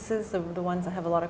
customer utama kalian